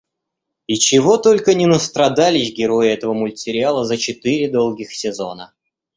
И чего только не настрадались герои этого мультсериала за четыре долгих сезона!